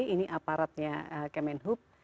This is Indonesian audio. ini aparatnya kemenhub